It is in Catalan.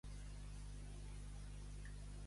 Per quin motiu han abandonat Ciutadans?